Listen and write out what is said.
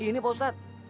ini pak ustadz